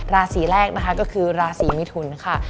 ราศีแรกก็คือราศีมิทุนค่ะ